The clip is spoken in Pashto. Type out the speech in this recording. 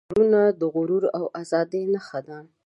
د نورستان غرونه د غرور او ازادۍ نښه ده.